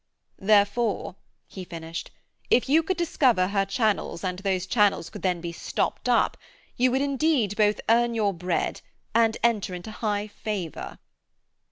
'Therefore,' he finished, 'if you could discover her channels and those channels could then be stopped up, you would indeed both earn your bread and enter into high favour.'